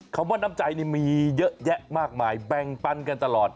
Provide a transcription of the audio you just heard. คำว่าน้ำใจนี่มีเยอะแยะมากมายแบ่งปันกันตลอด